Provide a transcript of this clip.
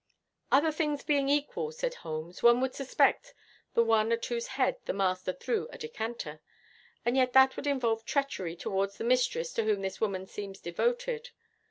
'Other things being equal,' said Holmes, 'one would suspect the one at whose head the master threw a decanter. And yet that would involve treachery towards the mistress to whom this woman seems devoted.